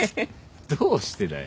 どうしてだよ？